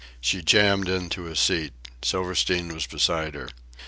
She jammed into a seat. Silverstein was beside her.